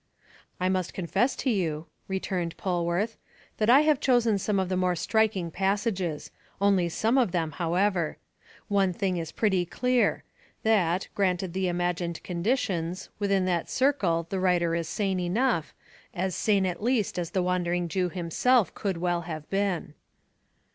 "I must confess to you," returned Polwarth, "that I have chosen some of the more striking passages only some of them however. One thing is pretty clear that, granted the imagined conditions, within that circle the writer is sane enough as sane at least as the Wandering Jew himself could well have been."